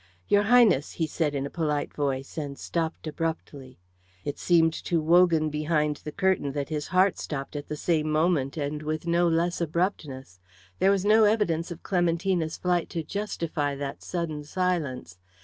"Your Highness," he said in a polite voice, and stopped abruptly. It seemed to Wogan behind the curtain that his heart stopped at the same moment and with no less abruptness. There was no evidence of Clementina's flight to justify that sudden silence.